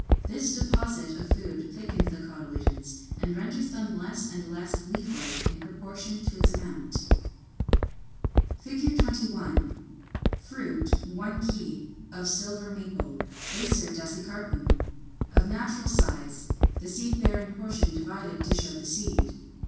This deposit of food thickens the cotyledons, and renders them less and less leaf like in proportion to its amount. [Illustration: Fig. 21. Fruit (one key) of Silver Maple, Acer dasycarpum, of natural size, the seed bearing portion divided to show the seed.